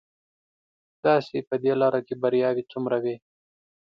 دا چې په دې لاره کې بریاوې څومره وې.